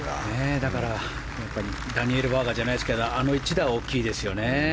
だからダニエル・バーガーじゃないけどあの一打が大きいですよね